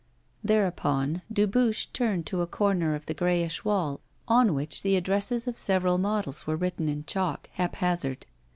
Thereupon Dubuche turned to a corner of the greyish wall on which the addresses of several models were written in chalk, haphazard.